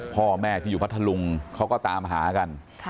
พ่อแม่ที่อยู่พัทธลุงเขาก็ตามหากัน